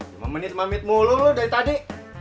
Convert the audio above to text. lima menit mamit mulu lo dari tadi